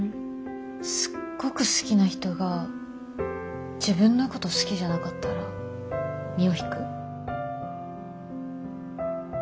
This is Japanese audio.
すっごく好きな人が自分のこと好きじゃなかったら身を引く？